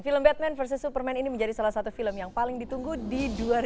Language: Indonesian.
film batman versus superman ini menjadi salah satu film yang paling ditunggu di dua ribu dua puluh